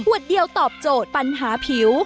เดียวตอบโจทย์ปัญหาผิว